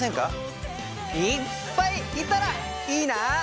いっぱいいたらいいな！